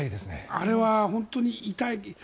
あれは本当に痛い。